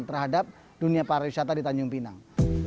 terhadap dunia pariwisata di tanjung pinang